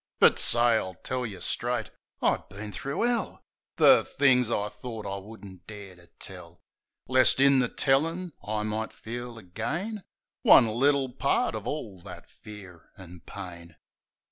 But say, I tell yeh straight ... I been thro' 'ell ! The things I thort I wouldn't dare to tell Lest, in the tellin' I might feel again One little part of all that fear an' pain.